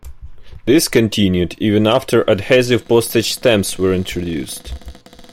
This continued even after adhesive postage stamps were introduced.